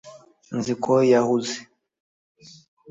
nzi ko yahuze